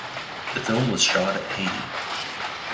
The film was shot at Haiti.